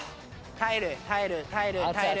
耐える耐える耐える。